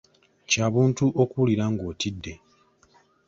Kya buntu okuwulira ng’otidde.